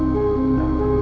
tidak ada yang tahu